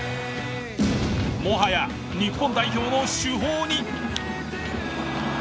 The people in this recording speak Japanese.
もはや日本代表の主砲に！